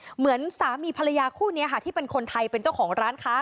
เหมือนสามีภรรยาคู่นี้ค่ะที่เป็นคนไทยเป็นเจ้าของร้านค้า